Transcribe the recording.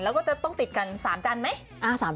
แล้วก็จะต้องติดกัน๓จันทร์ไหม